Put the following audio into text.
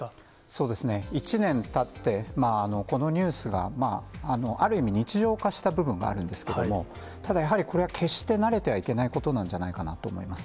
そうですね、１年たって、このニュースがある意味、日常化した部分があるんですけれども、ただやはり、これは決して慣れてはいけないことなんじゃないかなと思います。